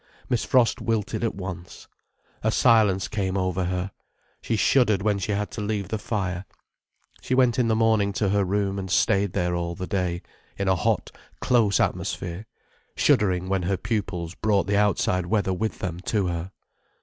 Miss Frost wilted at once. A silence came over her. She shuddered when she had to leave the fire. She went in the morning to her room, and stayed there all the day, in a hot, close atmosphere, shuddering when her pupils brought the outside weather with them to her.